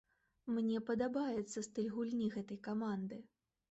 Мне падабаецца стыль гульні гэтай каманды.